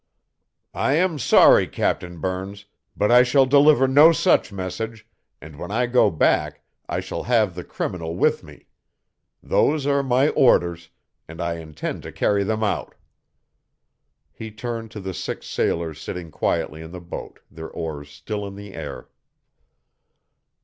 "I am sorry, Captain Burns, but I shall deliver no such message, and when I go back I shall have the criminal with me. Those are my orders, and I intend to carry them out." He turned to the six sailors sitting quietly in the boat, their oars still in the air.